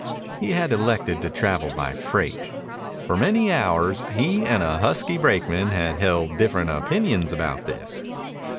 He had elected to travel by freight. For many hours he and a husky brakeman had held different opinions about this.